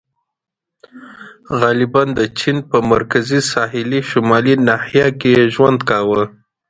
• غالباً د چین په مرکزي ساحلي شمالي ناحیه کې یې ژوند کاوه.